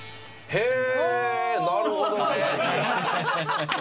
へえ！